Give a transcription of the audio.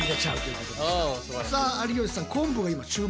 さあ有吉さん